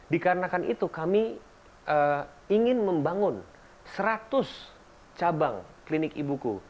dikarenakan itu kami ingin membangun seratus cabang klinik ibuku